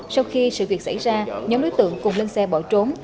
sau khi sự việc xảy ra nhóm đối tượng cùng lên xe bỏ trốn